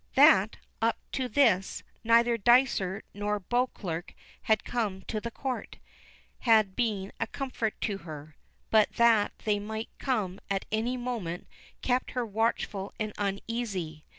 That, up to this, neither Dysart nor Beauclerk had come to the Court, had been a comfort to her; but that they might come at any moment kept her watchful and uneasy.